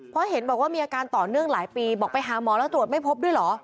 เพราะเห็นบอกว่ามีอาการต่อเนื่องหลายปีบอกไปหาหมอแล้วตรวจไม่พบด้วยเหรอ